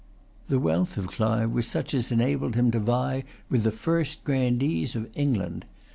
The wealth of Clive was such as enabled him to vie with the first grandees of England.